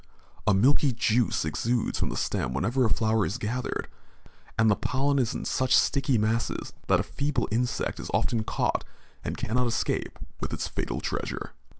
A milky juice exudes from the stem whenever a flower is gathered, and the pollen is in such sticky masses that a feeble insect is often caught and cannot escape with its fatal treasure.